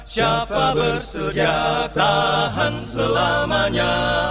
siapa bersedia tahan selamanya